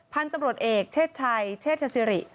พันธุ์ตำรวจเอกเชศชัยเชษฐศิริ